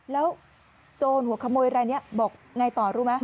แล้วโจรหัวขโมยรายนี้บอกไงต่อรู้ไหม